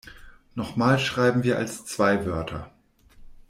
Noch mal schreiben wir als zwei Wörter.